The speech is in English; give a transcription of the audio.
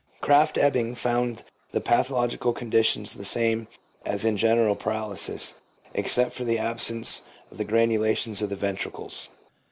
Krafft Ebing found the pathological conditions the same as in general paralysis, except for the absence of the granulations of the ventricles.